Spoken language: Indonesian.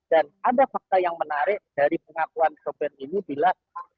dan ada fakta yang menarik dari pengakuan soben ini bila